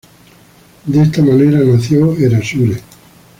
De esta manera nació Erasure.